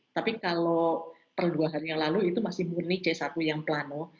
tapi kalau per dua hari yang lalu itu masih murni c satu yang plano